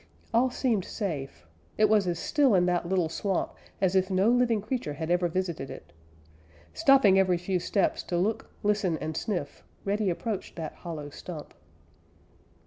All seemed safe. It was as still in that little swamp as if no living creature had ever visited it. Stopping every few steps to look, listen, and sniff, Reddy approached that hollow stump.